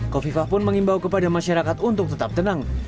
kofifah pun mengimbau kepada masyarakat untuk tetap tenang